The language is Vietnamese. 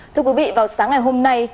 thưa quý vị vào sáng ngày hôm nay